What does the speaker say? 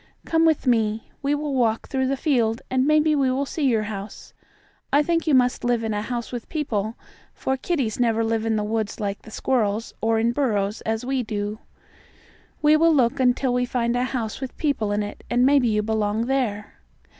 "Come with me. We will walk through the field, and maybe we will see your house. I think you must live in a house with people, for kitties never live in the woods like the squirrels, or in burrows as we do. We will look until we find a house with people in it, and maybe you belong there."